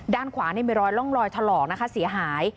ด้านขวานที่มีรอยล่องลอยทะหรอกนะคะสีหาย